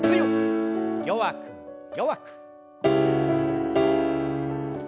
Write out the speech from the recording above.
弱く弱く。